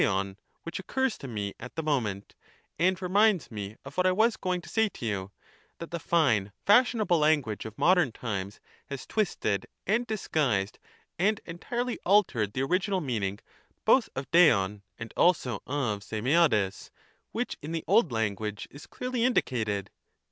6tov, which occurs to me at the moment, and reminds me of Socrates, what I was going to say to you, that the fine fashionable ^'^^'°" language of modern times has twisted and disguised and entirely altered the original meaning both of d^ov, and also of ^rifiiCJdEg, which in the old language is clearly indicated.